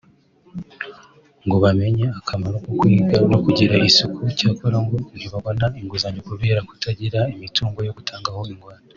ngo bamenye akamaro ko kwiga no kugira isuku cyakora ngo ntibabona inguzanyo kubera kutagira imitungo yo gutangaho ingwate